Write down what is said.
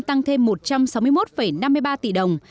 tăng thêm một trăm sáu mươi một năm mươi ba tỷ đồng